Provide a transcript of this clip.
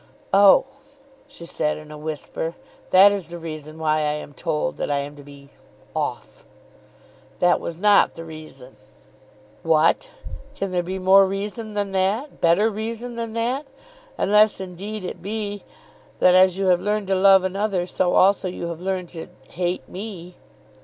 "Oh," she said, in a whisper; "that is the reason why I am told that I am to be off." "That was not the reason." "What; can there be more reason than that, better reason than that? Unless, indeed, it be that as you have learned to love another so also you have learned to hate me."